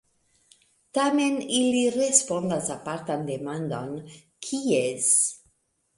Tamen ili respondas apartan demandon: "kies?